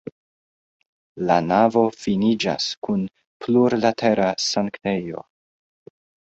La navo finiĝas kun plurlatera sanktejo.